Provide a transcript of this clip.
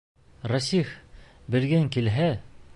Рәсих, белгең килһә...